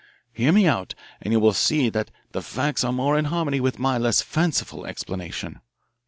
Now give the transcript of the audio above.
"Hear me out and you will see that the facts are more in harmony with my less fanciful explanation.